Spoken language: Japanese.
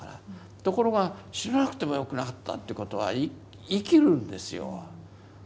ところが死ななくてもよくなったっていうことは生きるんですよ。